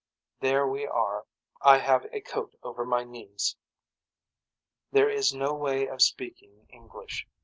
There we are I have a coat over my knees. There is no way of speaking english.